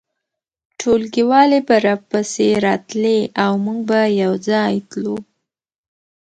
ټولګیوالې به راپسې راتلې او موږ به یو ځای تلو